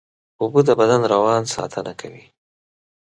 اوبه د بدن روان ساتنه کوي